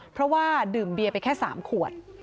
เพราะว่าดื่มเบียร์ไปแค่๓ขวด